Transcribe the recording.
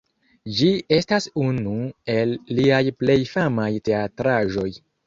Ĝi estas unu el liaj plej famaj teatraĵoj.